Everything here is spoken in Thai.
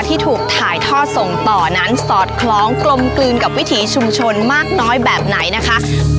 ที่ถูกถ่ายท่อส่งต่อนั้นสอดคล้องกลมกลืนกับวิถีชุมชนมากน้อยแบบไหนนะคะ